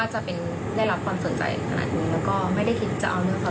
คืออยากให้เขาได้รับการลองบัด